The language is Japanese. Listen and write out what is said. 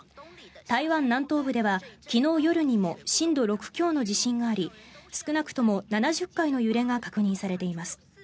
台湾南東部では昨日夜にも震度６強の地震があり少なくとも７０回の揺れが確認されています。